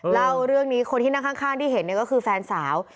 เล่าเรื่องนี้คนที่นั่งข้างที่เห็นก็คือแฟนสาว